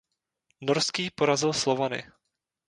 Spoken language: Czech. Norský porazil Slovany.